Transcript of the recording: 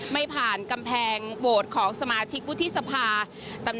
ไม่ผ่านกำแพงโหวตของสมาชิกวุฒิสภา